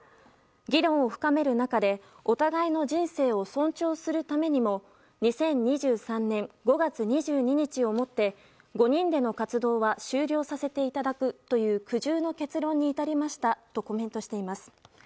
議論を深める中でお互いの人生を尊重するためにも２０２３年５月２２日をもって５人での活動は終了させていただくという苦渋の結論に至りましたとコメントしています。